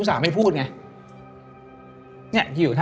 ไม่อยากให้พูดเลยนะวันทีที่ก้มไป